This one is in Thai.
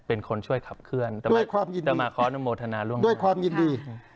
เป็นคนช่วยขับเคลื่อนด้วยความยินดีอัตมาขออนุโมทนาร่วมด้วยความยินดี